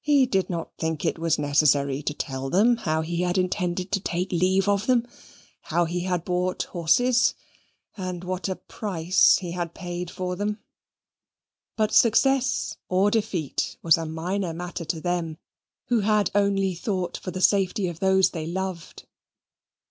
He did not think it was necessary to tell them how he had intended to take leave of them, how he had bought horses, and what a price he had paid for them. But success or defeat was a minor matter to them, who had only thought for the safety of those they loved.